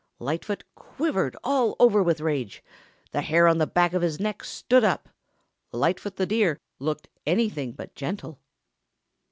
Lightfoot quivered all over with rage. The hair on the back of his neck stood up. Lightfoot the Deer looked anything but gentle.